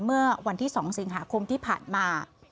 เมื่อวันที่๒สิงหาคมที่ผ่านมา